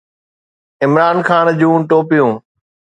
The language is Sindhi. عمران خان جون ٽوپيون